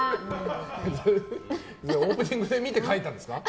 オープニングで見て書いたんですか？